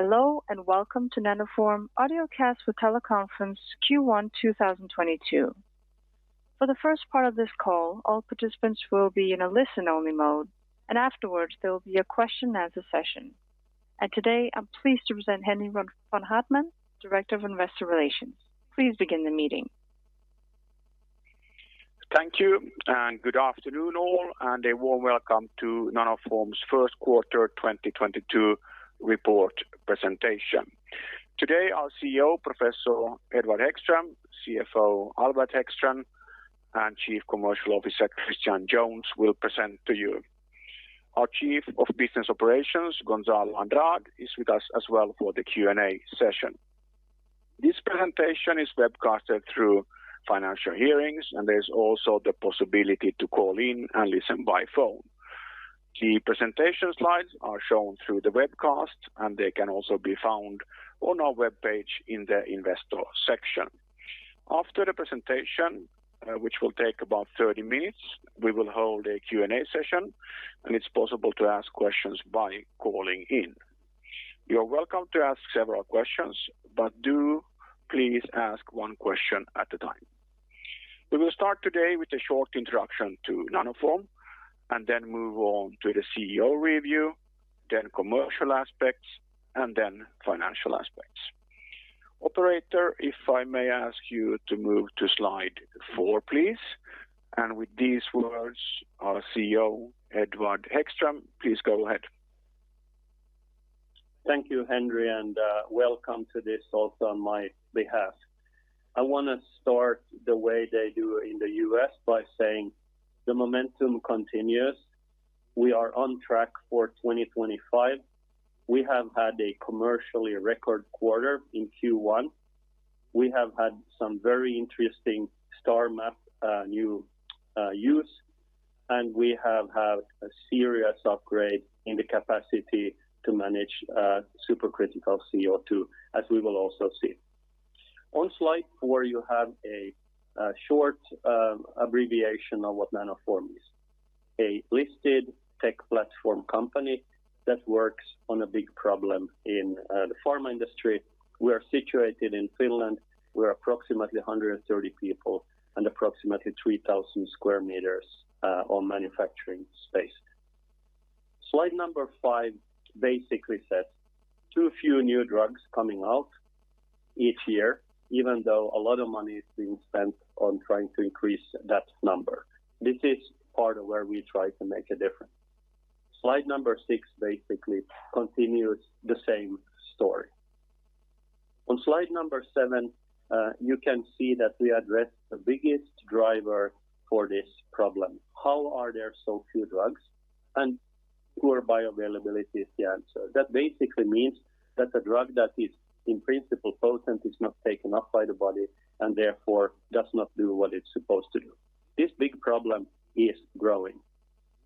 Hello, and welcome to Nanoform audiocast for teleconference Q1 2022. For the first part of this call, all participants will be in a listen-only mode, and afterwards, there will be a question and answer session. Today, I'm pleased to present Henri von Haartman, Director of Investor Relations. Please begin the meeting. Thank you, and good afternoon all, and a warm welcome to Nanoform's first quarter 2022 report presentation. Today, our CEO, Professor Edward Hæggström, CFO Albert Hæggström, and Chief Commercial Officer Christian Jones will present to you. Our Chief of Business Operations, Gonçalo de Andrade, is with us as well for the Q&A session. This presentation is webcasted through Financial Hearings, and there's also the possibility to call in and listen by phone. The presentation slides are shown through the webcast, and they can also be found on our webpage in the investor section. After the presentation, which will take about 30 minutes, we will hold a Q&A session, and it's possible to ask questions by calling in. You're welcome to ask several questions, but do please ask one question at a time. We will start today with a short introduction to Nanoform and then move on to the CEO review, then commercial aspects, and then financial aspects. Operator, if I may ask you to move to slide four, please. With these words, our CEO, Edward Hæggström, please go ahead. Thank you, Henri, and welcome to this also on my behalf. I want to start the way they do in the U.S by saying the momentum continues. We are on track for 2025. We have had a commercial record quarter in Q1. We have had some very interesting STARMAP® new use, and we have had a serious upgrade in the capacity to manage supercritical CO2, as we will also see. On slide four, you have a short abbreviation of what Nanoform is. A listed tech platform company that works on a big problem in the pharma industry. We are situated in Finland. We're approximately 130 people and approximately 3,000 square meters of manufacturing space. Slide number five basically says too few new drugs coming out each year, even though a lot of money is being spent on trying to increase that number. This is part of where we try to make a difference. Slide number six basically continues the same story. On slide number seven, you can see that we address the biggest driver for this problem. How are there so few drugs? Poor bioavailability is the answer. That basically means that the drug that is in principle potent is not taken up by the body and therefore does not do what it's supposed to do. This big problem is growing.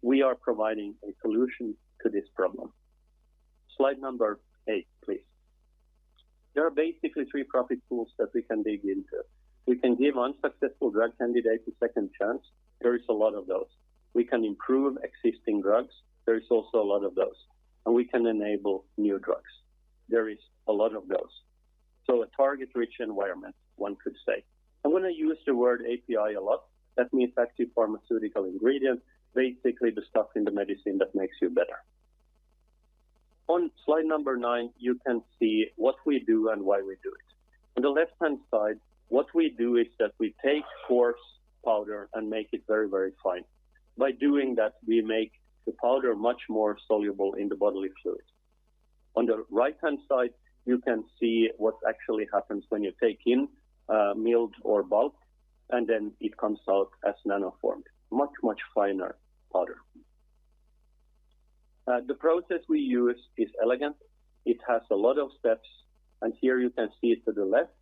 We are providing a solution to this problem. Slide number eight, please. There are basically three profit pools that we can dig into. We can give unsuccessful drug candidates a second chance. There is a lot of those. We can improve existing drugs. There is also a lot of those. We can enable new drugs. There is a lot of those. A target-rich environment, one could say. I'm gonna use the word API a lot. That means active pharmaceutical ingredient, basically the stuff in the medicine that makes you better. On slide number nine, you can see what we do and why we do it. On the left-hand side, what we do is that we take coarse powder and make it very, very fine. By doing that, we make the powder much more soluble in the bodily fluids. On the right-hand side, you can see what actually happens when you take in milled or bulk, and then it comes out as nanoform. Much, much finer powder. The process we use is elegant. It has a lot of steps, and here you can see it to the left.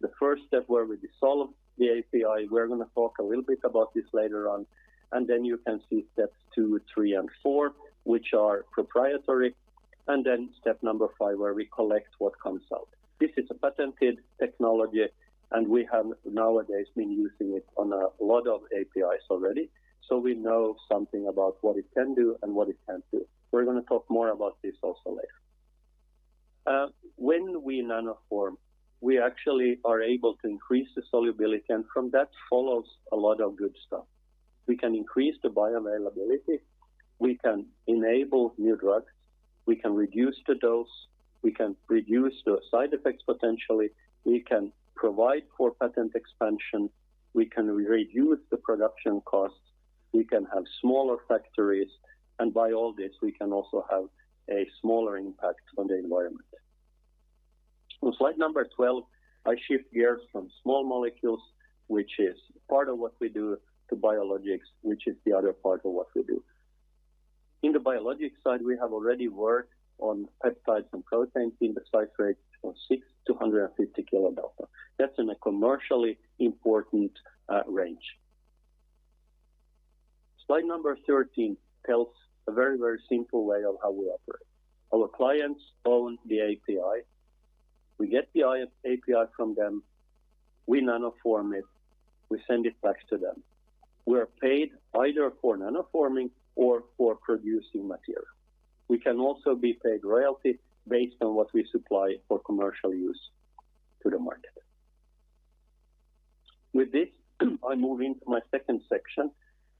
The first step where we dissolve the API, we're gonna talk a little bit about this later on. Then you can see steps two, three, and four, which are proprietary, and then step number five, where we collect what comes out. This is a patented technology, and we have nowadays been using it on a lot of APIs already. We know something about what it can do and what it can't do. We're gonna talk more about this also later. When we nanoform, we actually are able to increase the solubility, and from that follows a lot of good stuff. We can increase the bioavailability, we can enable new drugs, we can reduce the dose, we can reduce the side effects, potentially, we can provide for patent expansion, we can reduce the production costs, we can have smaller factories, and by all this, we can also have a smaller impact on the environment. On slide number 12, I shift gears from small molecules, which is part of what we do, to biologics, which is the other part of what we do. In the biologic side, we have already worked on peptides and proteins in the size range of six to 150 kiloDalton. That's in a commercially important range. Slide number 13 tells a very, very simple way of how we operate. Our clients own the API. We get the API from them, we nanoform it, we send it back to them. We are paid either for Nanoforming or for producing material. We can also be paid royalty based on what we supply for commercial use to the market. With this, I move into my second section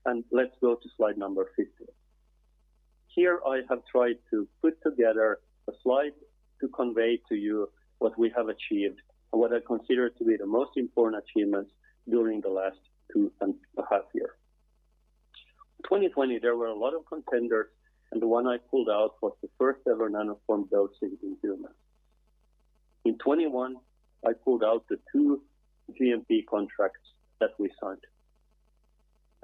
and let's go to slide number 15. Here, I have tried to put together a slide to convey to you what we have achieved and what I consider to be the most important achievements during the last 2.5 years. In 2020, there were a lot of contenders, and the one I pulled out was the first-ever nanoform dosing in humans. In 2021, I pulled out the two GMP contracts that we signed.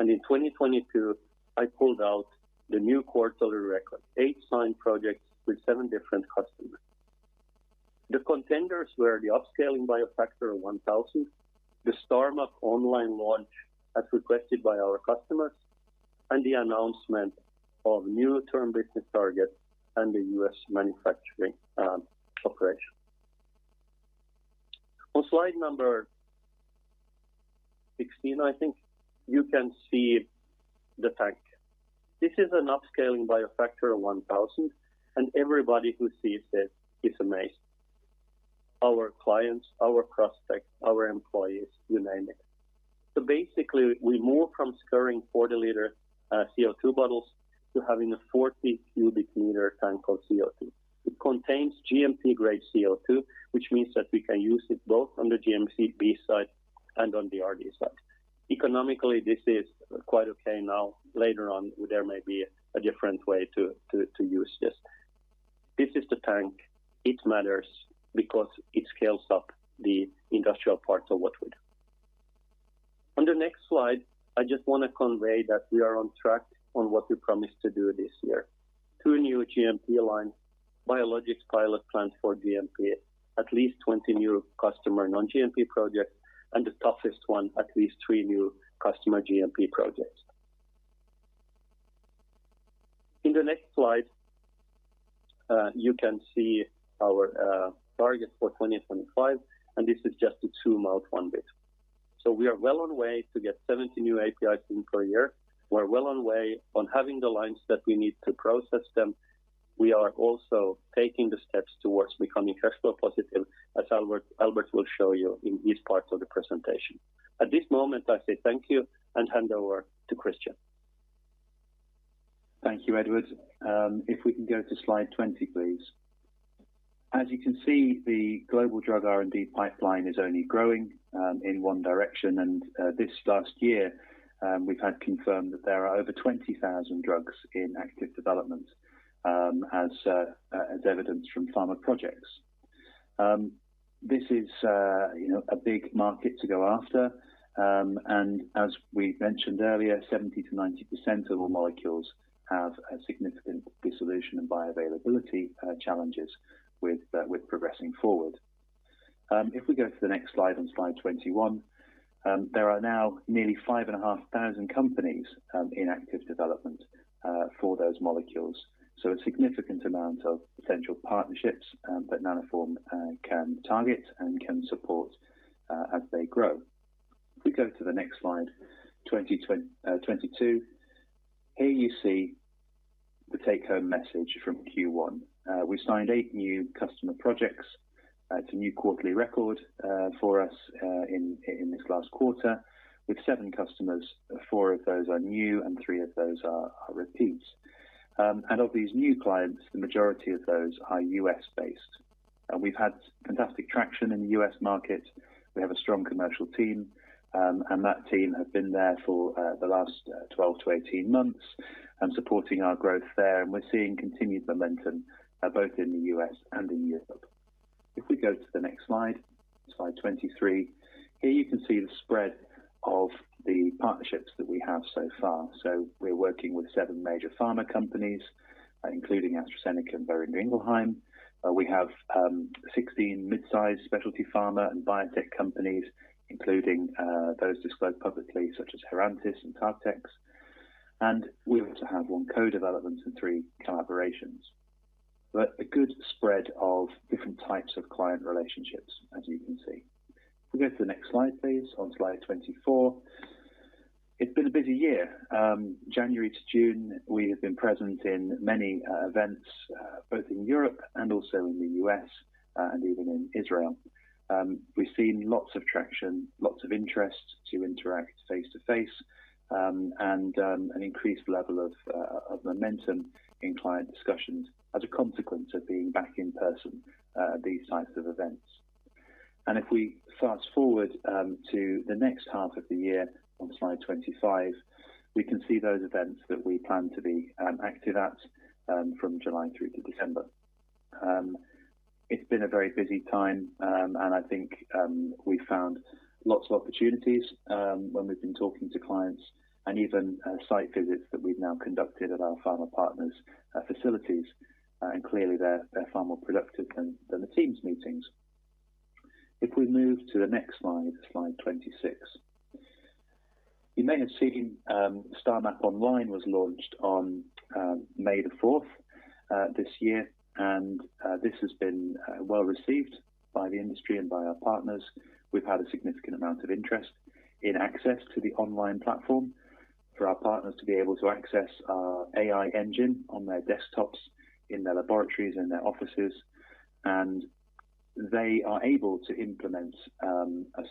In 2022, I pulled out the new quarterly record, eight signed projects with seven different customers. The contenders were the upscaling by a factor of 1000, the STARMAP® Online launch as requested by our customers, and the announcement of new term business targets and the US manufacturing operation. On slide number 16, I think you can see the tank. This is an upscaling by a factor of 1000, and everybody who sees it is amazed. Our clients, our prospects, our employees, you name it. Basically, we move from sourcing 40-liter CO₂ bottles to having a 40 cubic meter tank of CO₂. It contains GMP-grade CO₂, which means that we can use it both on the GMP side and on the R&D side. Economically, this is quite okay now. Later on, there may be a different way to use this. This is the tank. It matters because it scales up the industrial parts of what we do. On the next slide, I just wanna convey that we are on track on what we promised to do this year. Two new GMP lines, biologics pilot plants for GMP, at least 20 new customer non-GMP projects, and the toughest one, at least three new customer GMP projects. In the next slide, you can see our targets for 2025, and this is just the two milestone bit. We are well on our way to get 70 new APIs in per year. We're well on our way to having the lines that we need to process them. We are also taking the steps towards becoming cash flow positive, as Albert will show you in his part of the presentation. At this moment, I say thank you and hand over to Christian. Thank you, Edward. If we can go to slide 20, please. As you can see, the global drug R&D pipeline is only growing in one direction. This last year, we've had confirmed that there are over 20,000 drugs in active development, as evidenced from Pharmaprojects. This is, you know, a big market to go after, and as we mentioned earlier, 70%-90% of all molecules have significant dissolution and bioavailability challenges with progressing forward. If we go to the next slide, on slide 21, there are now nearly 5,500 companies in active development for those molecules. A significant amount of potential partnerships that Nanoform can target and can support as they grow. If we go to the next slide, 22. Here you see the take-home message from Q1. We signed eight new customer projects. It's a new quarterly record for us in this last quarter. With seven customers, four of those are new and three of those are repeats. Of these new clients, the majority of those are U.S-based. We've had fantastic traction in the U.S market. We have a strong commercial team, and that team have been there for the last 12-18 months and supporting our growth there. We're seeing continued momentum both in the U.S and in Europe. If we go to the next slide 23. Here you can see the spread of the partnerships that we have so far. We're working with seven major pharma companies, including AstraZeneca and Boehringer Ingelheim. We have 16 mid-sized specialty pharma and biotech companies, including those disclosed publicly, such as Herantis and Takeda. We also have one co-development and three collaborations. A good spread of different types of client relationships, as you can see. If we go to the next slide, please, on slide 24. It's been a busy year. January to June, we have been present in many events, both in Europe and also in the U.S, and even in Israel. We've seen lots of traction, lots of interest to interact face to face, and an increased level of momentum in client discussions as a consequence of being back in person at these types of events. If we fast-forward to the next half of the year on slide 25, we can see those events that we plan to be active at from July through to December. It's been a very busy time, and I think we found lots of opportunities when we've been talking to clients and even site visits that we've now conducted at our pharma partners' facilities. Clearly they're far more productive than the Teams meetings. If we move to the next slide 26. You may have seen, STARMAP® Online was launched on May the fourth this year. This has been well-received by the industry and by our partners. We've had a significant amount of interest in access to the online platform for our partners to be able to access our AI engine on their desktops, in their laboratories, in their offices. They are able to implement a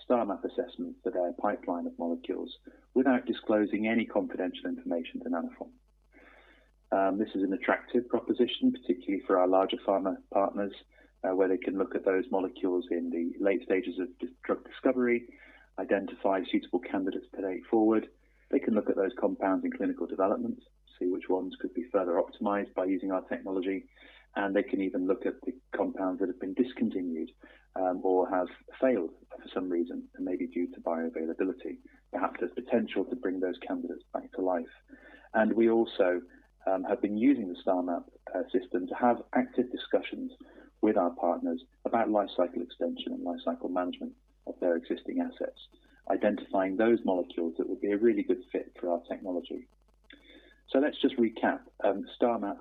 STARMAP® assessment for their pipeline of molecules without disclosing any confidential information to Nanoform. This is an attractive proposition, particularly for our larger pharma partners, where they can look at those molecules in the late stages of drug discovery, identify suitable candidates to put forward. They can look at those compounds in clinical development, see which ones could be further optimized by using our technology, and they can even look at the compounds that have been discontinued, or have failed for some reason, and maybe due to bioavailability. Perhaps there's potential to bring those candidates back to life. We also have been using the STARMAP®® system to have active discussions with our partners about life cycle extension and life cycle management of their existing assets, identifying those molecules that would be a really good fit for our technology. Let's just recap. STARMAP®,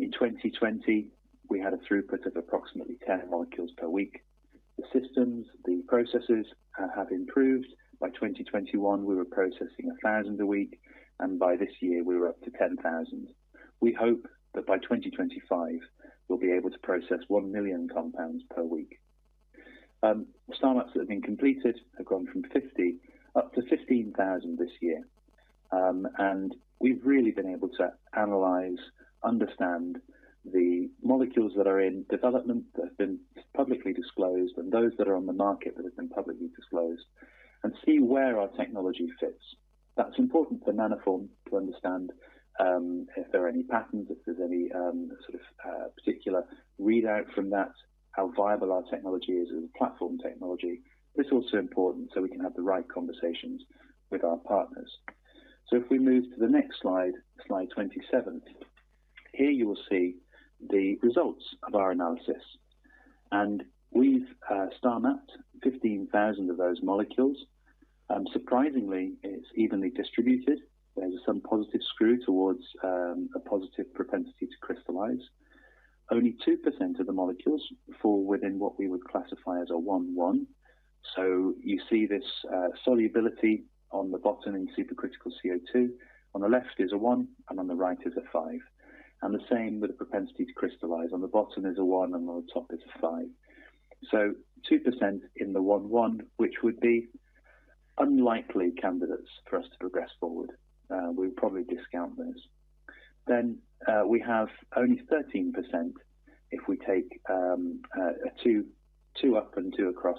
in 2020, we had a throughput of approximately 10 molecules per week. The systems, the processes have improved. By 2021, we were processing 1,000 a week, and by this year, we were up to 10,000. We hope that by 2025, we'll be able to process one million compounds per week. STARMAP®'s that have been completed have gone from 50 up to 15,000 this year. We've really been able to analyze, understand the molecules that are in development that have been publicly disclosed and those that are on the market that have been publicly disclosed and see where our technology fits. That's important for Nanoform to understand, if there are any patterns, if there's any, sort of, particular readout from that, how viable our technology is as a platform technology. It's also important so we can have the right conversations with our partners. If we move to the next slide 27, here you will see the results of our analysis. We've STARMAP®ped 15,000 of those molecules. Surprisingly, it's evenly distributed. There's some positive skew towards a positive propensity to crystallize. Only 2% of the molecules fall within what we would classify as a 1-1. You see this solubility on the bottom in supercritical CO2. On the left is a one and on the right is a five. The same with the propensity to crystallize. On the bottom is a one and on the top is a five. Two percent in the 1-1, which would be unlikely candidates for us to progress forward. We'd probably discount those. We have only 13% if we take a two up and two across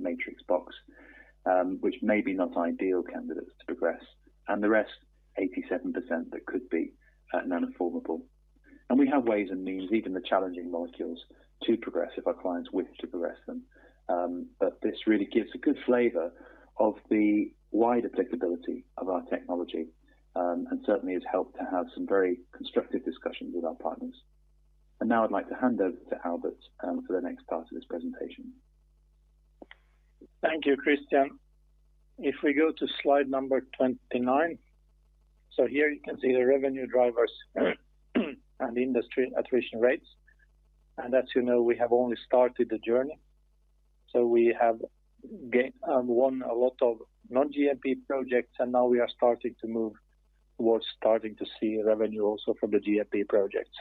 matrix box, which may not be ideal candidates to progress. The rest, 87% that could be Nanoformable. We have ways and means, even the challenging molecules, to progress if our clients wish to progress them. This really gives a good flavor of the wide applicability of our technology, and certainly has helped to have some very constructive discussions with our partners. Now I'd like to hand over to Albert for the next part of this presentation. Thank you, Christian. If we go to slide number 29. Here you can see the revenue drivers and industry attrition rates. As you know, we have only started the journey. We have won a lot of non-GMP projects, and now we are starting to move towards starting to see revenue also from the GMP projects.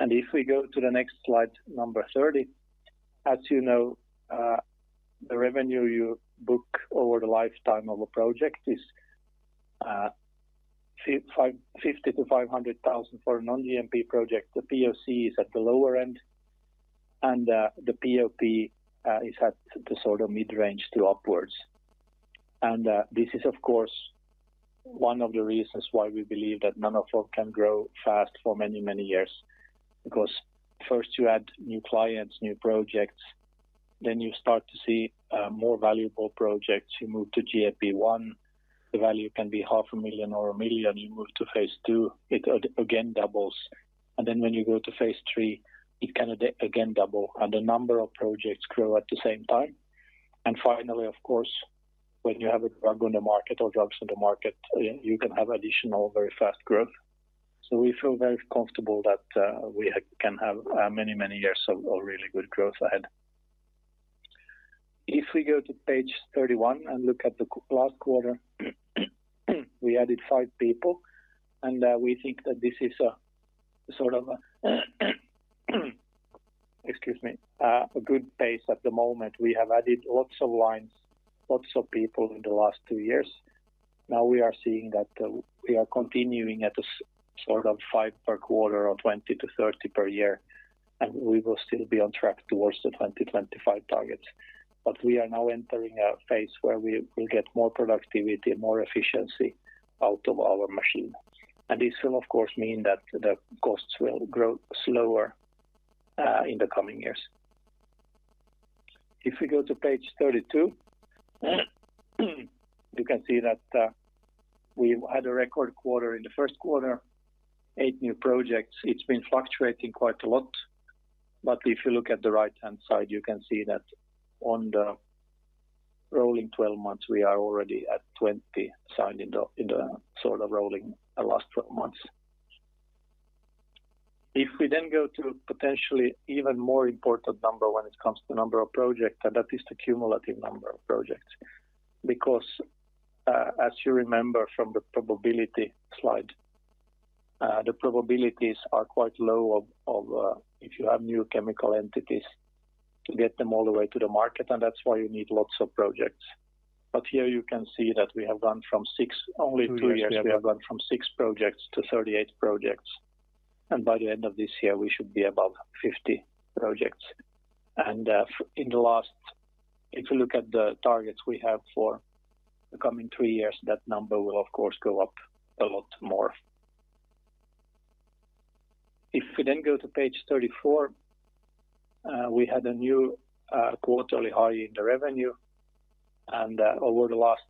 If we go to the next slide, number 30, as you know, the revenue you book over the lifetime of a project is 50 thousand to 500 thousand for a non-GMP project. The POC is at the lower end and the POP is at the sort of mid-range to upwards. This is of course one of the reasons why we believe that Nanoform can grow fast for many, many years. Because first you add new clients, new projects, then you start to see more valuable projects. You move to GMP 1, the value can be EUR half a million or one million. You move to phase II, it again doubles. Then when you go to phase III, it can again double, and the number of projects grow at the same time. Finally, of course, when you have a drug on the market or drugs on the market, you can have additional very fast growth. We feel very comfortable that we can have many years of really good growth ahead. If we go to page 31 and look at the last quarter, we added five people, and we think that this is a sort of a, excuse me, a good pace at the moment. We have added lots of lines, lots of people in the last two years. Now we are seeing that, we are continuing at a sort of five per quarter or 20-30 per year, and we will still be on track towards the 2025 targets. We are now entering a phase where we will get more productivity, more efficiency out of our machine. This will of course mean that the costs will grow slower, in the coming years. If we go to page 32, you can see that. We've had a record quarter in the first quarter, eight new projects. It's been fluctuating quite a lot, but if you look at the right-hand side, you can see that on the rolling 12 months, we are already at 20 signed in the sort of rolling the last 12 months. If we then go to potentially even more important number when it comes to number of projects, and that is the cumulative number of projects. Because as you remember from the probability slide, the probabilities are quite low if you have new chemical entities to get them all the way to the market, and that's why you need lots of projects. Here you can see that we have gone from six. In only two years, we have gone from six projects to 38 projects, and by the end of this year, we should be above 50 projects. If you look at the targets we have for the coming three years, that number will of course go up a lot more. If we then go to page 34, we had a new quarterly high in the revenue, and over the last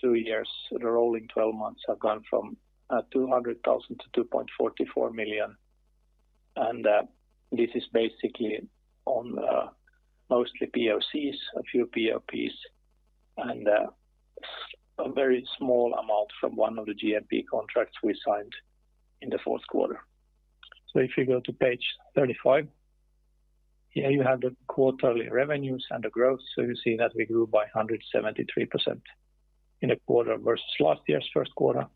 two years, the rolling twelve months have gone from 200,000 to 2.44 million. This is basically on mostly POCs, a few PLPs, and a very small amount from one of the GMP contracts we signed in the fourth quarter. If you go to page 35, here you have the quarterly revenues and the growth. You see that we grew by 173% in the quarter versus last year's first quarter,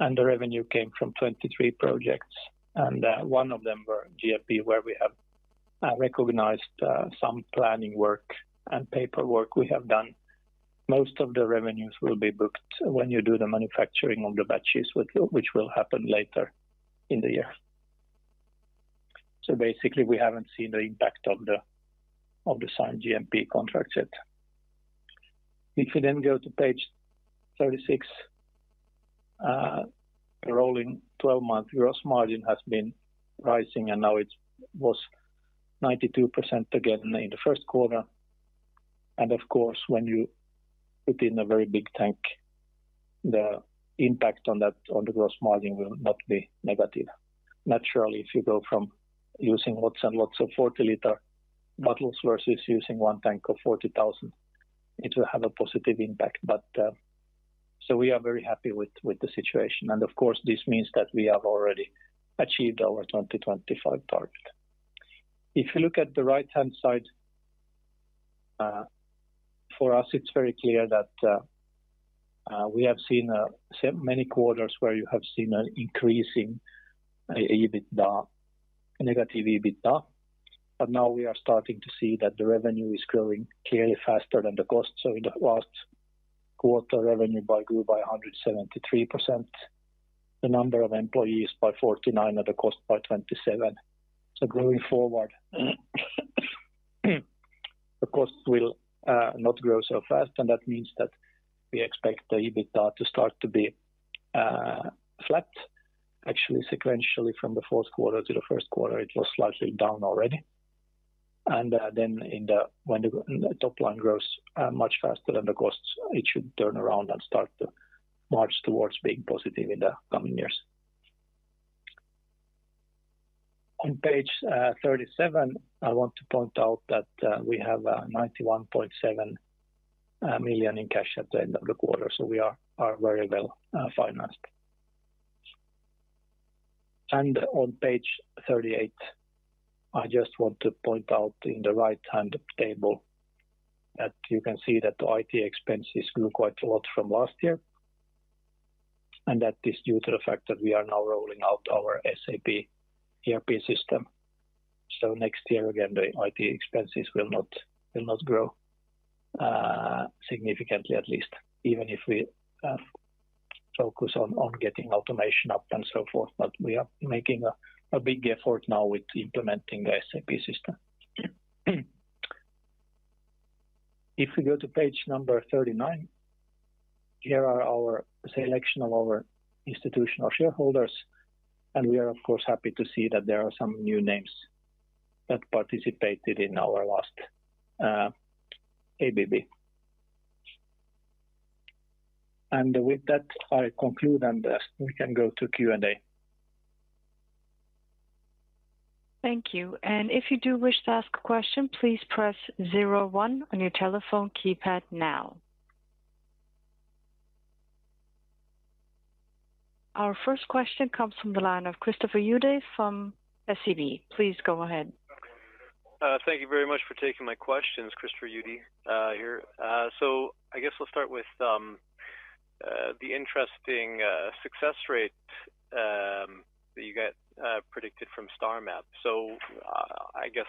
and the revenue came from 23 projects. One of them were GMP, where we have recognized some planning work and paperwork we have done. Most of the revenues will be booked when you do the manufacturing on the batches which will happen later in the year. Basically, we haven't seen the impact of the signed GMP contract yet. If we then go to page 36, rolling twelve-month gross margin has been rising, and now it was 92% again in the first quarter. Of course, when you put in a very big tank, the impact on that, on the gross margin will not be negative. Naturally, if you go from using lots and lots of 40-liter bottles versus using one tank of 40,000, it will have a positive impact. We are very happy with the situation. Of course, this means that we have already achieved our 2025 target. If you look at the right-hand side, for us, it's very clear that we have seen several quarters where you have seen an increasingly negative EBITDA. Now we are starting to see that the revenue is growing clearly faster than the cost. In the last quarter, revenue grew by 173%, the number of employees by 49%, and the cost by 27%. Going forward, the cost will not grow so fast, and that means that we expect the EBITDA to start to be flat. Actually, sequentially from the fourth quarter to the first quarter, it was slightly down already. Then when the top line grows much faster than the costs, it should turn around and start to march towards being positive in the coming years. On page 37, I want to point out that we have 91.7 million in cash at the end of the quarter, so we are very well financed. On page 38, I just want to point out in the right-hand table that you can see that the IT expenses grew quite a lot from last year, and that is due to the fact that we are now rolling out our SAP ERP system. Next year, again, the IT expenses will not grow significantly at least, even if we focus on getting automation up and so forth. We are making a big effort now with implementing the SAP system. If we go to page number 39, here are our selection of our institutional shareholders, and we are of course happy to see that there are some new names that participated in our last ABB. With that, I conclude, and we can go to Q&A. Thank you. If you do wish to ask a question, please press zero one on your telephone keypad now. Our first question comes from the line of Christopher Udy from SEB. Please go ahead. Thank you very much for taking my questions, Christopher Udy, here. I guess we'll start with the interesting success rate that you got predicted from STARMAP®. I guess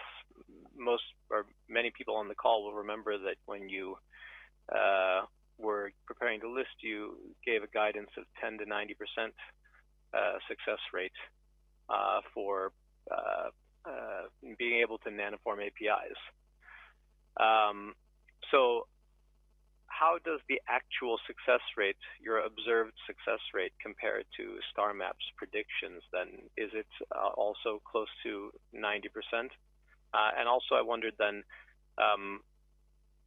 most or many people on the call will remember that when you were preparing to list, you gave a guidance of 10%-90% success rate for being able to nanoform APIs. How does the actual success rate, your observed success rate compare to STARMAP®'s predictions then? Is it also close to 90%? I wondered,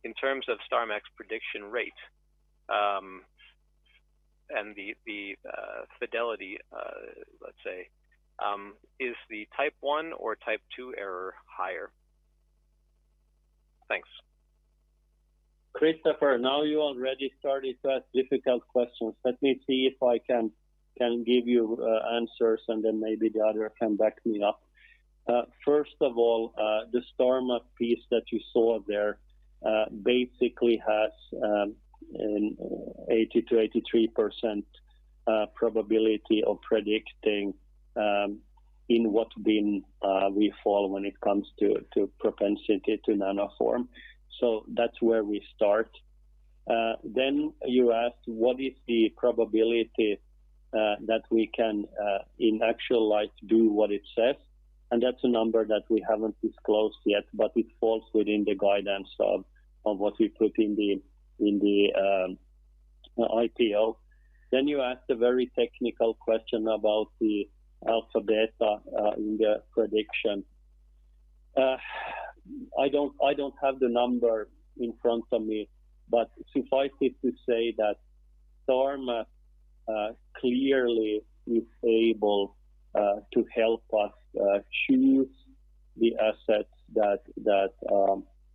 in terms of STARMAP®'s prediction rate, and the fidelity, let's say, is the type one or type two error higher? Thanks. Christopher Udy, now you already started to ask difficult questions. Let me see if I can give you answers, and then maybe the other can back me up. First of all, the STARMAP® piece that you saw there basically has an 80%-83% probability of predicting in what bin we fall when it comes to propensity to nanoform. So that's where we start. Then you asked what is the probability that we can in actual life do what it says, and that's a number that we haven't disclosed yet, but it falls within the guidance of what we put in the IPO. Then you asked a very technical question about the alpha-beta in the prediction. I don't have the number in front of me, but suffice it to say that STARMAP® clearly is able to help us choose the assets that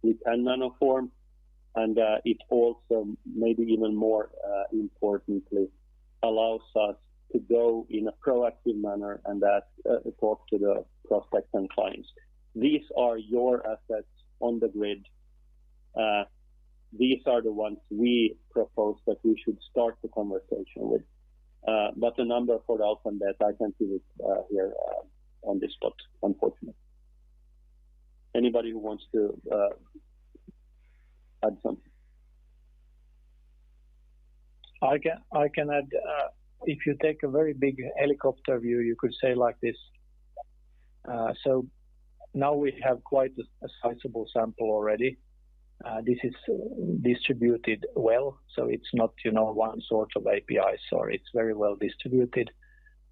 we can nanoform. It also, maybe even more importantly, allows us to go in a proactive manner and talk to the prospects and clients. These are your assets on the grid. These are the ones we propose that we should start the conversation with. The number for alpha and beta, I can't give it here on the spot, unfortunately. Anybody who wants to add something? I can add. If you take a very big helicopter view, you could say like this. Now we have quite a sizable sample already. This is distributed well, so it's not, you know, one sort of API. It's very well distributed,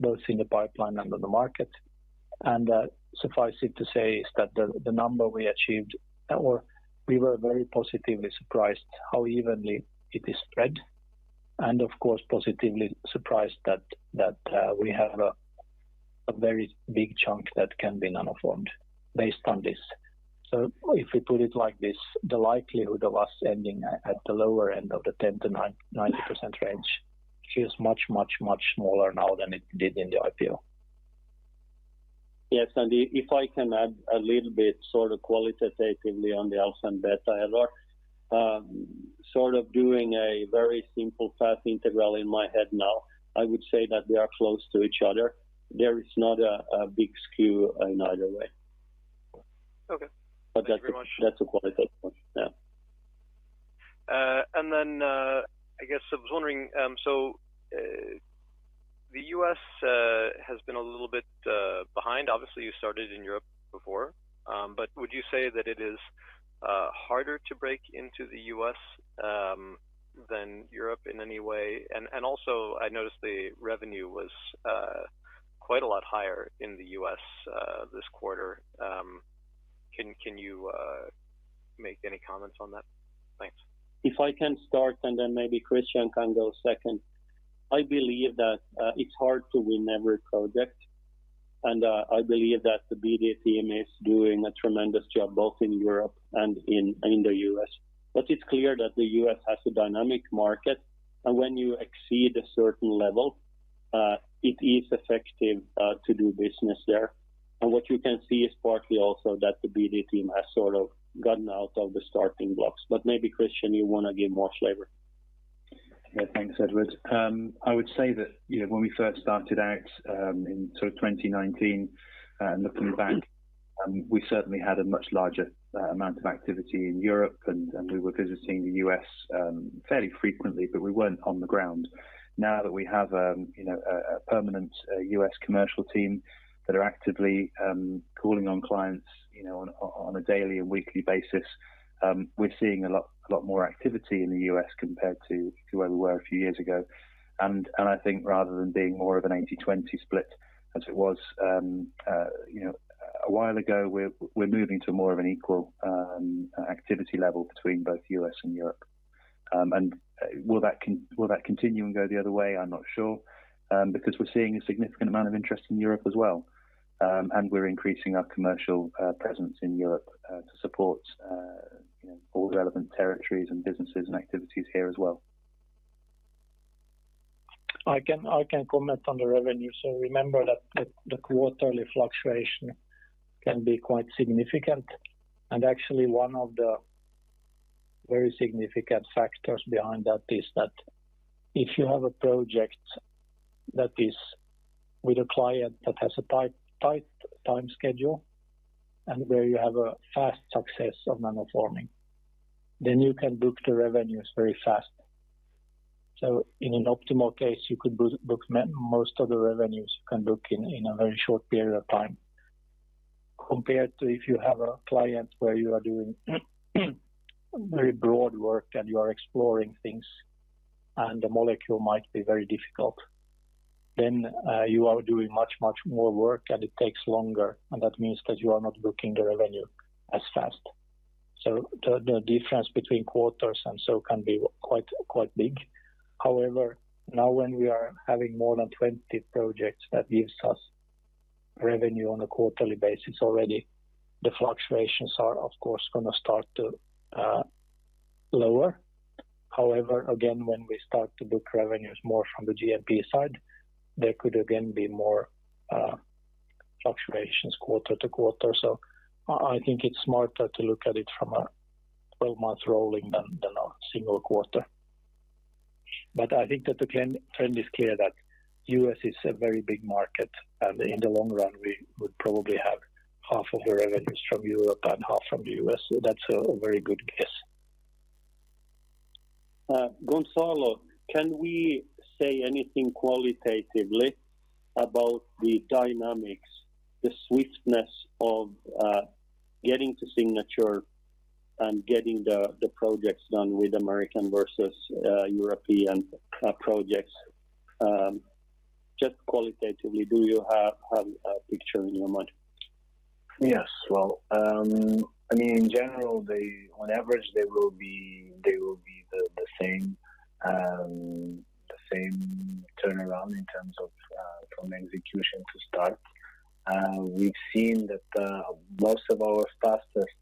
both in the pipeline and on the market. Suffice it to say is that the number we achieved or we were very positively surprised how evenly it is spread, and of course, positively surprised that we have a very big chunk that can be Nanoformed based on this. If we put it like this, the likelihood of us ending at the lower end of the 10%-90% range is much, much, much smaller now than it did in the IPO. Yes, if I can add a little bit sort of qualitatively on the alpha and beta. I'm not, sort of doing a very simple fast integral in my head now. I would say that they are close to each other. There is not a big skew in either way. Okay. Thank you very much. That's a qualitative one. Yeah. I guess I was wondering, the U.S has been a little bit behind. Obviously, you started in Europe before, but would you say that it is harder to break into the U.S than Europe in any way? Also I noticed the revenue was quite a lot higher in the U.S this quarter. Can you make any comments on that? Thanks. If I can start, and then maybe Christian can go second. I believe that it's hard to win every project, and I believe that the BD team is doing a tremendous job both in Europe and in the U.S It's clear that the U.S has a dynamic market, and when you exceed a certain level, it is effective to do business there. What you can see is partly also that the BD team has sort of gotten out of the starting blocks. Maybe, Christian, you wanna give more flavor. Yeah. Thanks, Edward. I would say that, you know, when we first started out in sort of 2019 and looking back, we certainly had a much larger amount of activity in Europe and we were visiting the U.S fairly frequently, but we weren't on the ground. Now that we have, you know, a permanent U.S commercial team that are actively calling on clients, you know, on a daily and weekly basis, we're seeing a lot more activity in the U.S compared to where we were a few years ago. I think rather than being more of an 80-20 split as it was, you know, a while ago, we're moving to more of an equal activity level between both U.S and Europe. Will that continue and go the other way? I'm not sure, because we're seeing a significant amount of interest in Europe as well, and we're increasing our commercial presence in Europe to support, you know, all the relevant territories and businesses and activities here as well. I can comment on the revenue. Remember that the quarterly fluctuation can be quite significant. Actually one of the very significant factors behind that is that if you have a project that is with a client that has a tight time schedule and where you have a fast success of Nanoforming, then you can book the revenues very fast. In an optimal case, you could book most of the revenues you can book in a very short period of time, compared to if you have a client where you are doing very broad work and you are exploring things, and the molecule might be very difficult. You are doing much more work and it takes longer, and that means that you are not booking the revenue as fast. The difference between quarters and so can be quite big. However, now when we are having more than 20 projects, that gives us revenue on a quarterly basis already. The fluctuations are, of course, gonna start to lower. However, again, when we start to book revenues more from the GMP side, there could again be more fluctuations quarter to quarter. I think it's smarter to look at it from a 12-month rolling than a single quarter. I think that the trend is clear that U.S is a very big market, and in the long run we would probably have half of the revenues from Europe and half from the U.S, so that's a very good guess. Gonçalo, can we say anything qualitatively about the dynamics, the swiftness of getting to signature and getting the projects done with American versus European projects? Just qualitatively, do you have a picture in your mind? Yes. Well, I mean, in general, on average, they will be the same turnaround in terms of from execution to start. We've seen that most of our fastest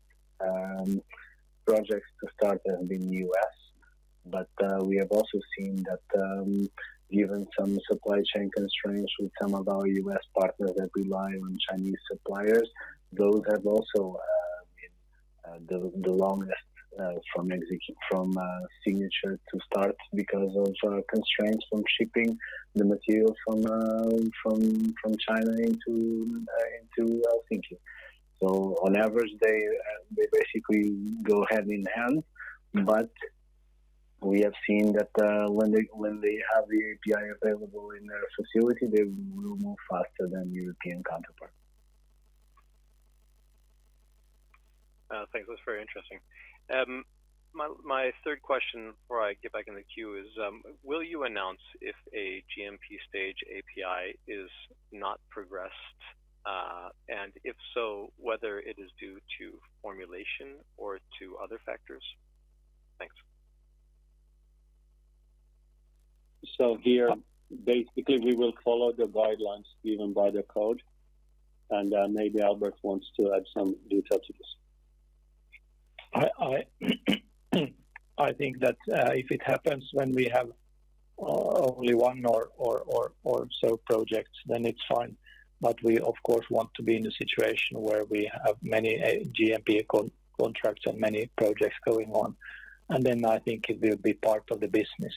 projects to start have been U.S We have also seen that, given some supply chain constraints with some of our U.S partners that rely on Chinese suppliers, those have also been the longest from signature to start because of constraints from shipping the material from China into Helsinki. On average, they basically go hand in hand. We have seen that, when they have the API available in their facility, they will move faster than European counterpart. Thanks. That's very interesting. My third question before I get back in the queue is, will you announce if a GMP stage API is not progressed? If so, whether it is due to formulation or to other factors? Thanks. Here, basically, we will follow the guidelines given by the code, and maybe Albert wants to add some details to this. I think that if it happens when we have only one or so projects, then it's fine. We of course want to be in a situation where we have many GMP contracts and many projects going on. I think it will be part of the business.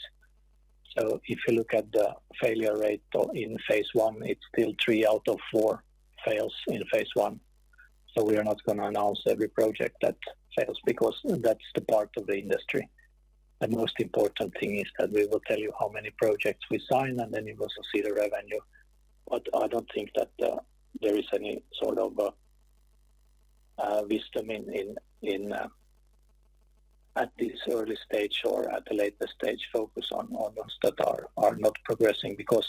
If you look at the failure rate in phase one, it's still three out of four fails in phase one. We are not gonna announce every project that fails, because that's the part of the industry. The most important thing is that we will tell you how many projects we sign, and then you will see the revenue. I don't think that there is any sort of wisdom in. At this early stage or at the later stage focus on those that are not progressing. Because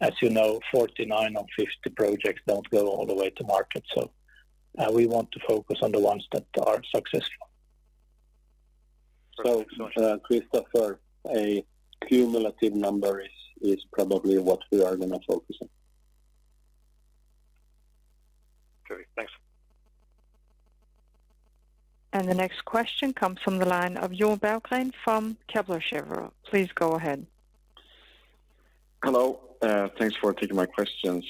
as you know, 49 or 50 projects don't go all the way to market. We want to focus on the ones that are successful. Thanks so much. Christopher, a cumulative number is probably what we are gonna focus on. Great. Thanks. The next question comes from the line of Jon Berglund from Kepler Cheuvreux, please go ahead. Hello. Thanks for taking my questions.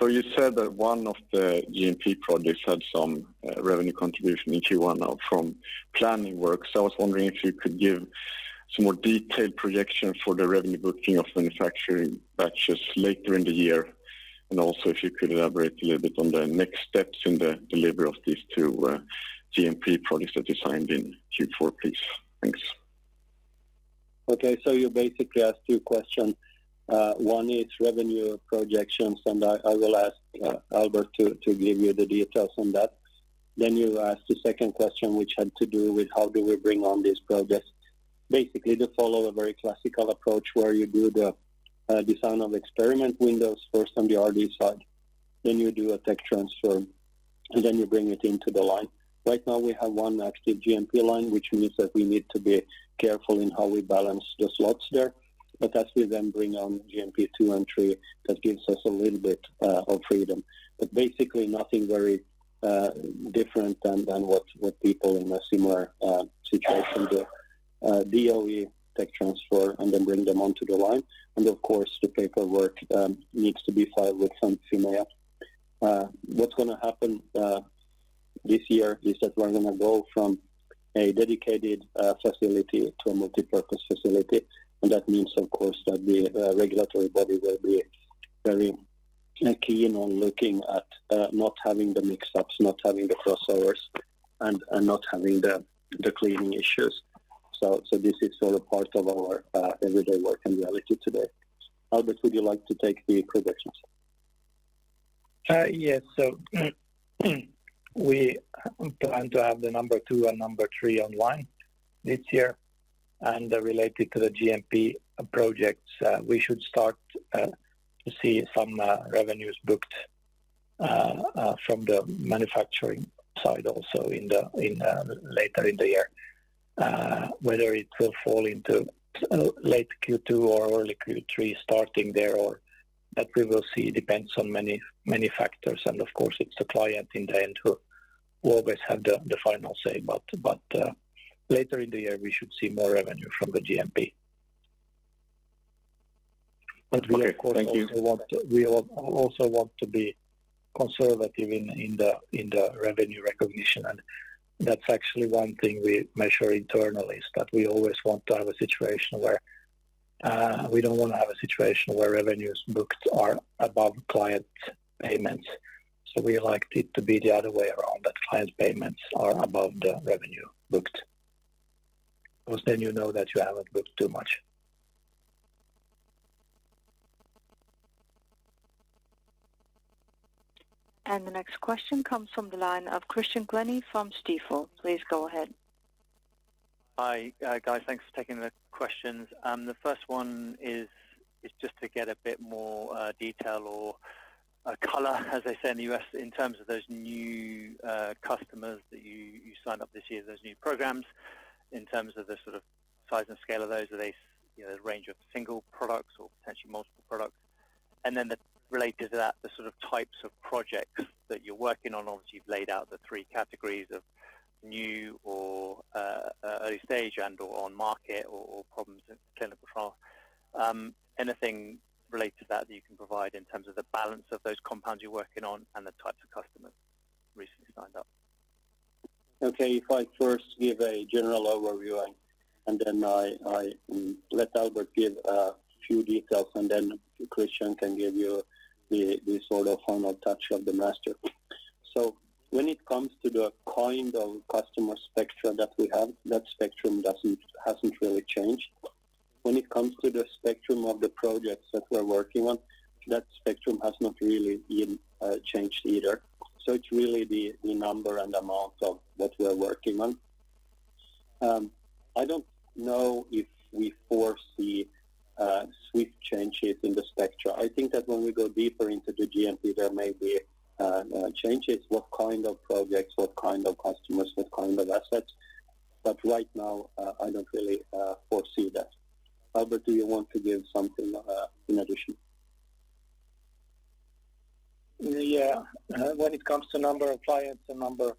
You said that one of the GMP projects had some revenue contribution in Q1 now from planning work. I was wondering if you could give some more detailed projection for the revenue booking of manufacturing batches later in the year. Also if you could elaborate a little bit on the next steps in the delivery of these two GMP projects that you signed in Q4, please. Thanks. Okay. You basically asked two questions. One is revenue projections, and I will ask Albert to give you the details on that. You asked a second question, which had to do with how do we bring on these projects. They follow a very classical approach where you do the design of experiment windows first on the R&D side, then you do a tech transfer, and then you bring it into the line. Right now we have one active GMP line, which means that we need to be careful in how we balance the slots there. As we then bring on GMP two and three, that gives us a little bit of freedom. Basically nothing very different than what people in a similar situation do. DOE tech transfer and then bring them onto the line. Of course, the paperwork needs to be filed with some Fimea. What's gonna happen this year is that we're gonna go from a dedicated facility to a multipurpose facility. That means, of course, that the regulatory body will be very keen on looking at not having the mix-ups, not having the crossovers and not having the cleaning issues. This is all a part of our everyday work and reality today. Albert, would you like to take the projections? Yes. We plan to have the number two and number three online this year. Related to the GMP projects, we should start to see some revenues booked from the manufacturing side also later in the year. Whether it will fall into late Q2 or early Q3. That we will see. It depends on many factors, and of course, it's the client in the end who always have the final say. But later in the year, we should see more revenue from the GMP. Okay. Thank you. We, of course, also want to be conservative in the revenue recognition. That's actually one thing we measure internally is that we always want to have a situation where we don't wanna have a situation where revenues booked are above client payments. We like it to be the other way around, that client payments are above the revenue booked. Because then you know that you haven't booked too much. The next question comes from the line of Christian Glennie from Stifel. Please go ahead. Hi, guys. Thanks for taking the questions. The first one is just to get a bit more detail or color, as they say in the U.S, in terms of those new customers that you signed up this year, those new programs. In terms of the sort of size and scale of those. Are they, you know, a range of single products or potentially multiple products? Related to that, the sort of types of projects that you're working on. Obviously, you've laid out the three categories of new or early stage and/or on market or programs in clinical trial. Anything related to that that you can provide in terms of the balance of those compounds you're working on and the types of customers recently signed up? Okay. If I first give a general overview and then let Albert give a few details, and then Christian can give you the sort of final touch of the master. When it comes to the kind of customer spectrum that we have, that spectrum hasn't really changed. When it comes to the spectrum of the projects that we're working on, that spectrum has not really changed either. It's really the number and amount that we're working on. I don't know if we foresee swift changes in the spectra. I think that when we go deeper into the GMP, there may be changes, what kind of projects, what kind of customers, what kind of assets. Right now, I don't really foresee that. Albert, do you want to give something in addition? Yeah. When it comes to number of clients, the number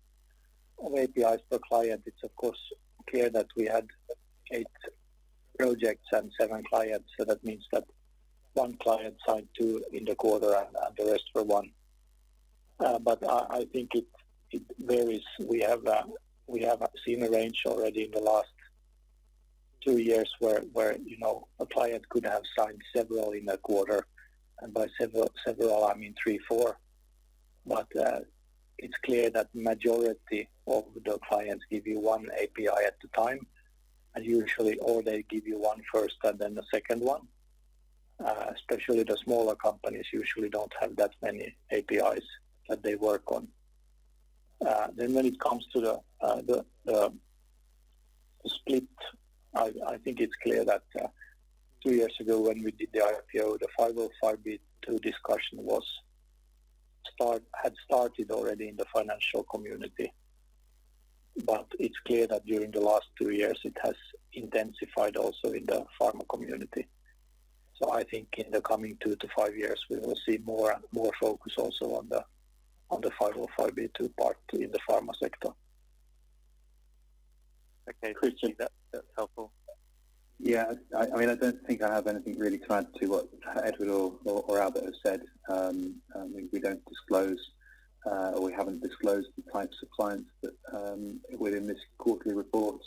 of APIs per client, it's of course clear that we had eight projects and seven clients. That means that one client signed two in the quarter and the rest were one. I think it varies. We have seen a range already in the last two years where you know a client could have signed several in a quarter. By several I mean three, four. It's clear that majority of the clients give you one API at a time. Usually or they give you one first and then the second one. Especially the smaller companies usually don't have that many APIs that they work on. When it comes to the split, I think it's clear that two years ago, when we did the IPO, the 505 discussion had started already in the financial community. It's clear that during the last two years, it has intensified also in the pharma community. I think in the coming two to five years, we will see more focus also on the 505 part in the pharma sector. Okay. Christian, that's helpful. Yeah. I mean, I don't think I have anything really to add to what Edward or Albert has said. We don't disclose or we haven't disclosed the types of clients that within this quarterly report.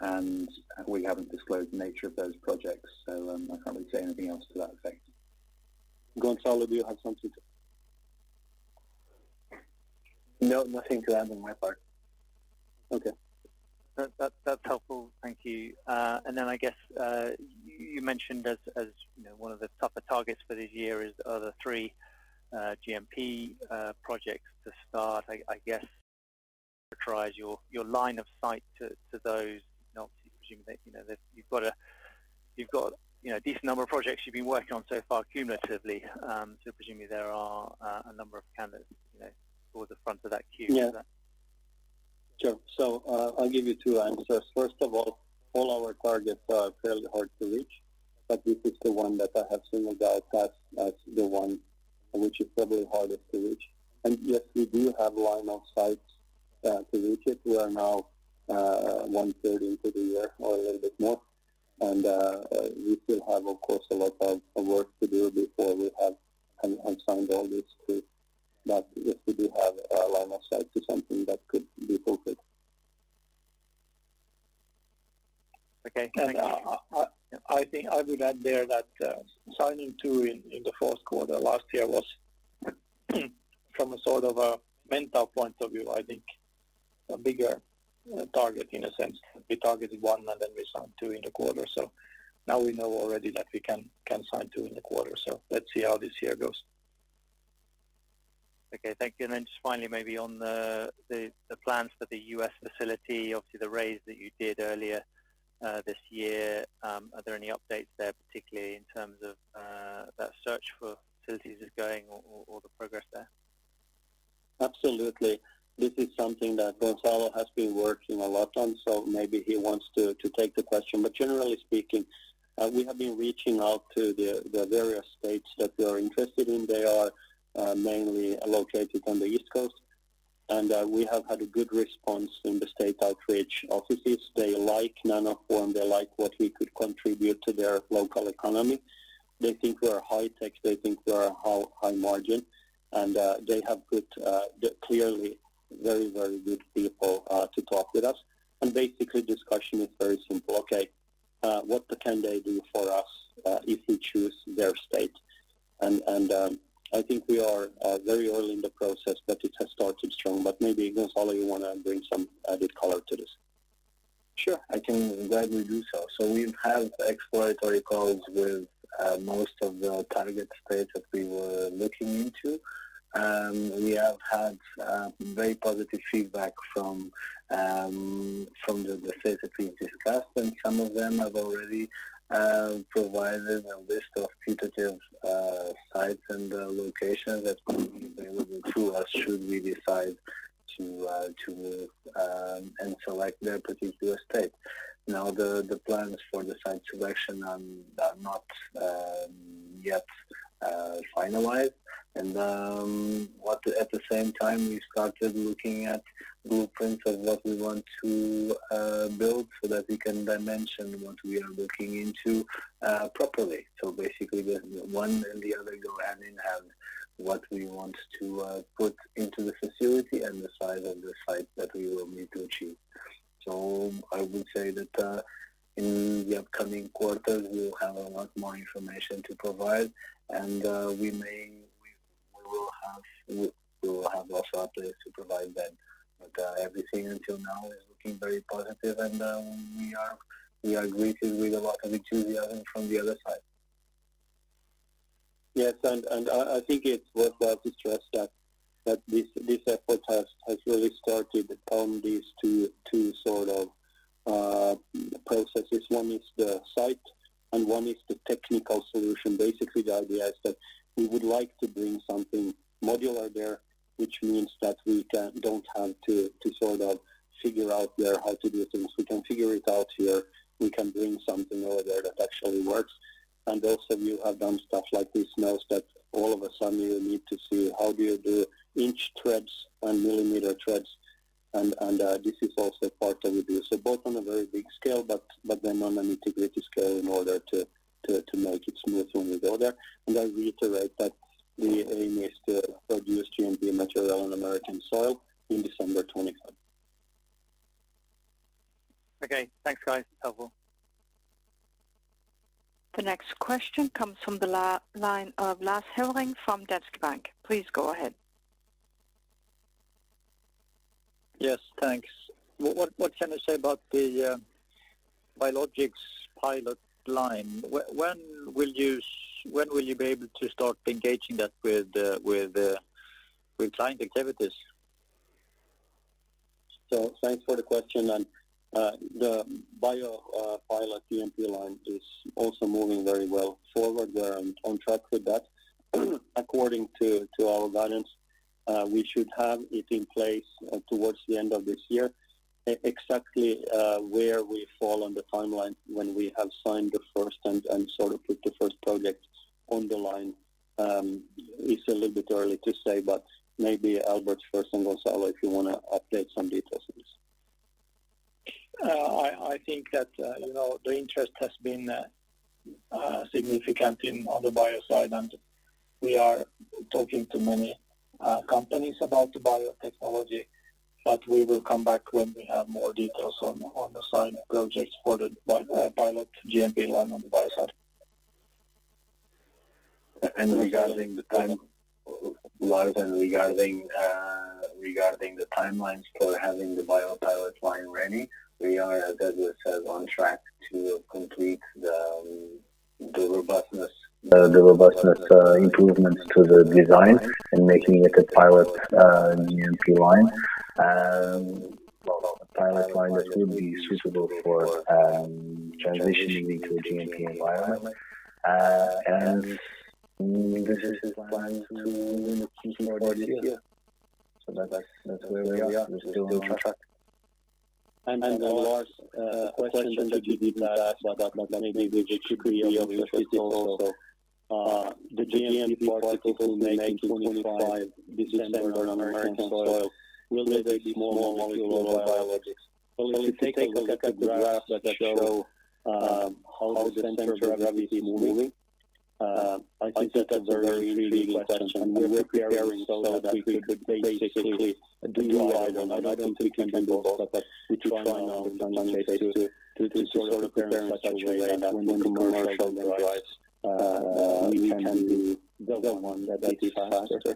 And we haven't disclosed the nature of those projects, so I can't really say anything else to that effect. Gonçalo, do you have something to? No, nothing to add on my part. Okay. That's helpful. Thank you. I guess you mentioned, as you know, one of the tougher targets for this year are the three GMP projects to start. I guess. Okay. Thank you. I think I would add there that signing two in the fourth quarter last year was, from a sort of a mental point of view, I think. A bigger target in a sense. We targeted one, and then we signed two in the quarter. Now we know already that we can sign two in the quarter. Let's see how this year goes. Okay, thank you. Then just finally maybe on the plans for the US facility, obviously the raise that you did earlier this year, are there any updates there, particularly in terms of that search for facilities is going or the progress there? Absolutely. This is something that Gonçalo has been working a lot on, so maybe he wants to take the question. Generally speaking, we have been reaching out to the various states that we are interested in. They are mainly located on the East Coast. We have had a good response from the state outreach offices. They like Nanoform, they like what we could contribute to their local economy. They think we are high-tech, they think we are high margin, and they have good, clearly very good people to talk with us. Basically discussion is very simple. Okay, what can they do for us if we choose their state? I think we are very early in the process, but it has started strong. Maybe Gonçalo, you wanna bring some added color to this? Sure. I can gladly do so. We've had exploratory calls with most of the target states that we were looking into. We have had very positive feedback from the states that we discussed, and some of them have already provided a list of putative sites and locations that could be available to us should we decide to and select their particular state. Now, the plans for the site selection are not yet finalized. At the same time, we started looking at blueprints of what we want to build so that we can dimension what we are looking into properly. Basically the one and the other go hand in hand, what we want to put into the facility and the size of the site that we will need to achieve. I would say that in the upcoming quarters, we will have a lot more information to provide and we will have also updates to provide then. Everything until now is looking very positive and we are greeted with a lot of enthusiasm from the other side. Yes. I think it's worth us to stress that this effort has really started upon these two sort of processes. One is the site and one is the technical solution. Basically, the idea is that we would like to bring something modular there, which means that we don't have to to sort of figure out there how to do things. We can figure it out here. We can bring something over there that actually works. Those of you have done stuff like this knows that all of a sudden you need to see how do you do inch threads and millimeter threads and this is also part that we do. Both on a very big scale, but then on an integrated scale in order to make it smooth when we go there. I reiterate that the aim is to produce GMP material on American soil in December 2025. Okay. Thanks, guys. Helpful. The next question comes from the line of Lars-Henrik from DNB Bank. Please go ahead. Yes, thanks. What can you say about the biologics pilot line? When will you be able to start engaging that with client activities? Thanks for the question. The bio pilot GMP line is also moving very well forward. We're on track with that. According to our guidance, we should have it in place towards the end of this year. Exactly where we fall on the timeline when we have signed the first and sort of put the first project on the line is a little bit early to say, but maybe Albert first and Gonçalo, if you wanna update some details on this. I think that you know, the interest has been significant on the bio side, and we are talking to many companies about the biotechnology. We will come back when we have more details on the signed projects for the pilot GMP line on the bio side. Regarding the timelines for having the bio pilot line ready, Lars, we are, as Edward Hæggström says, on track to complete the robustness improvements to the design and making it a pilot GMP line. A pilot line that would be suitable for transitioning into a GMP environment. Edward Hæggström's plan to Q4 this year. That's where we are. We're still on track. Lars, a question that you didn't ask, but maybe which could be of interest also. The GMP particles we'll make in December 2025 on American soil will they be small molecule or biologics? If you take a look at the graphs that show how the center of gravity is moving, I think that's a very intriguing question. We're preparing so that we could basically do either. I don't think we can do both, but we're trying our best, I must say, to sort of prepare in such a way that we can commercialize, we can do the one that is faster.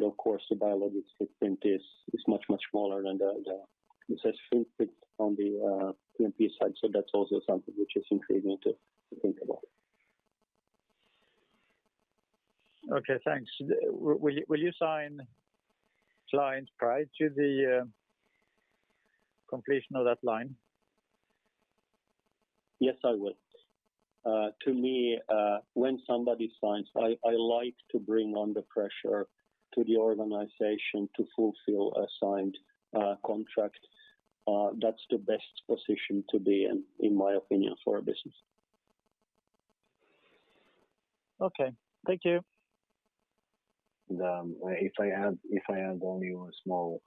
Of course, the biologics footprint is much smaller than the footprint on the GMP side. That's also something which is intriguing to think about. Okay, thanks. Will you sign clients prior to the completion of that line? Yes, I will. To me, when somebody signs, I like to bring on the pressure to the organization to fulfill a signed contract. That's the best position to be in my opinion, for a business. Okay. Thank you. If I add only one small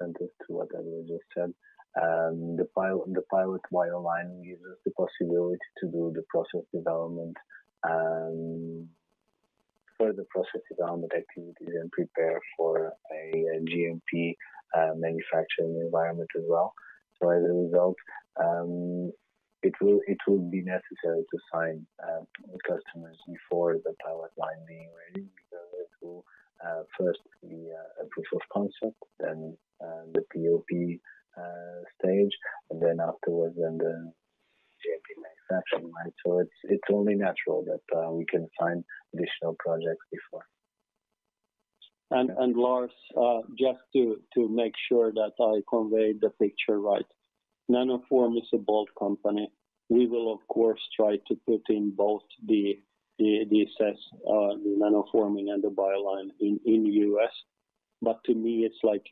sentence to what I just said, the pilot line gives us the possibility to do the process development, further process development activities and prepare for a GMP manufacturing environment as well. As a result, it will be necessary to sign customers before the pilot line being ready. Because it will first be a proof of concept, then the PoP stage, and then afterwards the GMP manufacturing line. It's only natural that we can sign additional projects before. Lars, just to make sure that I conveyed the picture right. Nanoform is a bold company. We will of course try to put in both the CESS®, the Nanoforming and the bio line in U.S. To me it's like,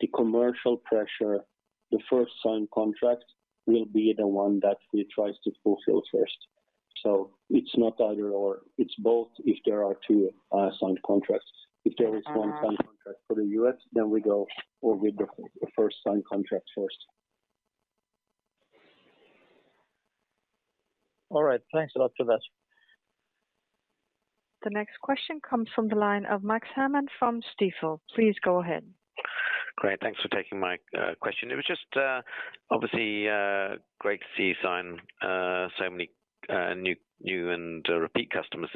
the commercial pressure, the first signed contract will be the one that we tries to fulfill first. It's not either or, it's both if there are two, signed contracts. If there is one signed contract for the U.S, then we go with the first signed contract first. All right. Thanks a lot for that. The next question comes from the line of Max Cameau from Stifel. Please go ahead. Great. Thanks for taking my question. It was just obviously great to see you sign so many new and repeat customers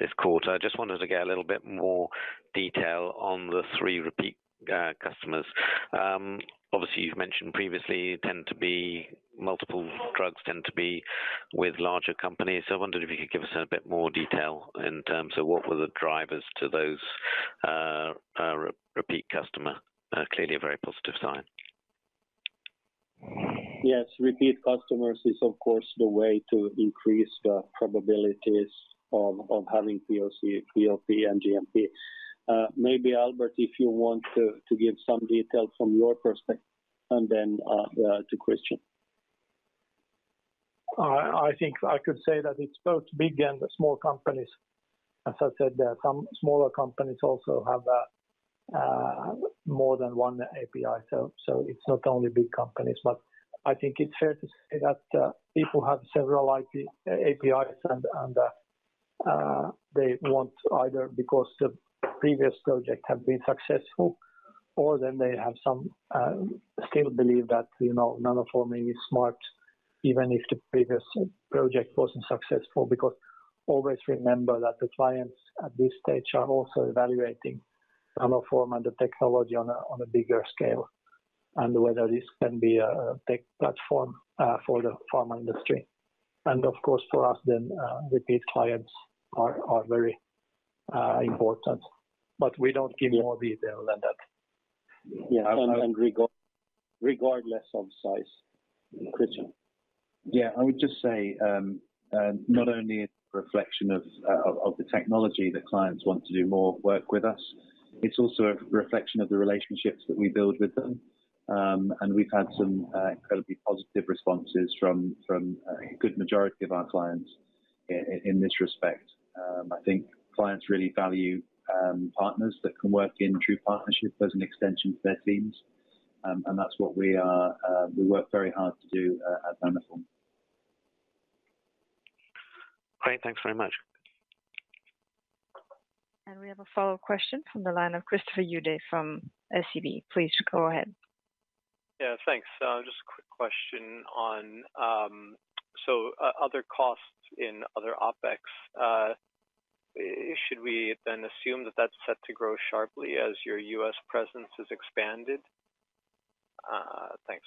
this quarter. I just wanted to get a little bit more detail on the three repeat customers. Obviously, you've mentioned previously tend to be, multiple drugs tend to be with larger companies. I wondered if you could give us a bit more detail in terms of what were the drivers to those repeat customer. Clearly a very positive sign. Yes. Repeat customers is of course the way to increase the probabilities of having POC, POP and GMP. Maybe Albert, if you want to give some details from your perspective and then to Christian. I think I could say that it's both big and small companies. As I said, there are some smaller companies also have more than one API. It's not only big companies. I think it's fair to say that people have several APIs and they want either because the previous project have been successful or they still believe that, you know, Nanoforming is smart, even if the previous project wasn't successful. Always remember that the clients at this stage are also evaluating Nanoform and the technology on a bigger scale, and whether this can be a tech platform for the pharma industry. Of course for us then repeat clients are very important. We don't give more detail than that. Yeah. Regardless of size and Christian. Yeah. I would just say, not only a reflection of the technology that clients want to do more work with us, it's also a reflection of the relationships that we build with them. We've had some incredibly positive responses from a good majority of our clients in this respect. I think clients really value partners that can work in true partnership as an extension to their teams. That's what we are, we work very hard to do at Nanoform. Great. Thanks very much. We have a follow-up question from the line of Christopher Udy from SEB. Please go ahead. Yeah, thanks. Just a quick question on other costs in other OpEx. Should we then assume that that's set to grow sharply as your U.S presence is expanded? Thanks.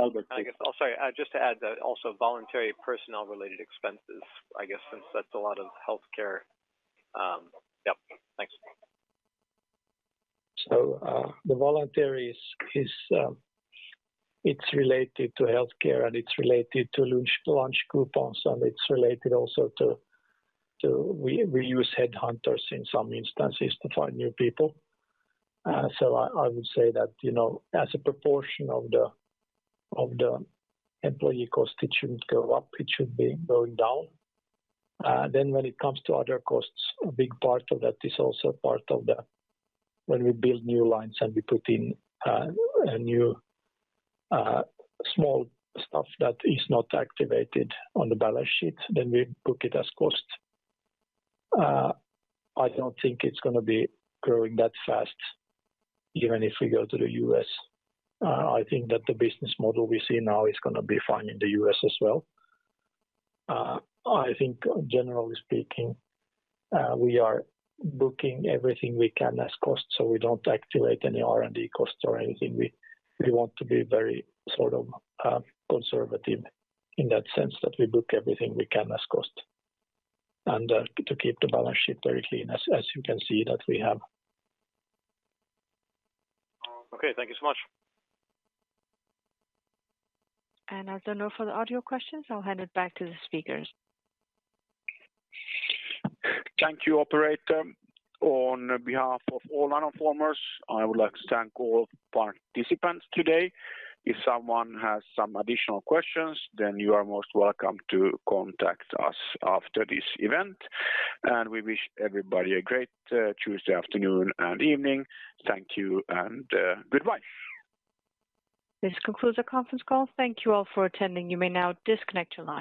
Albert, please. I guess. Oh, sorry. Just to add that also voluntary personnel related expenses, I guess since that's a lot of healthcare. Yep. Thanks. The voluntary is it's related to healthcare and it's related to lunch coupons, and it's related also to we use headhunters in some instances to find new people. I would say that, you know, as a proportion of the employee cost, it shouldn't go up. It should be going down. When it comes to other costs, a big part of that is also part of the, when we build new lines and we put in a new small stuff that is not activated on the balance sheet, then we book it as cost. I don't think it's gonna be growing that fast even if we go to the U.S. I think that the business model we see now is gonna be fine in the U.S. as well. I think generally speaking, we are booking everything we can as cost, so we don't activate any R&D costs or anything. We want to be very sort of conservative in that sense that we book everything we can as cost, and to keep the balance sheet very clean as you can see that we have. Okay, thank you so much. As there are no further audio questions, I'll hand it back to the speakers. Thank you, operator. On behalf of all Nanoformers, I would like to thank all participants today. If someone has some additional questions, then you are most welcome to contact us after this event. We wish everybody a great Tuesday afternoon and evening. Thank you and goodbye. This concludes our conference call. Thank you all for attending. You may now disconnect your lines.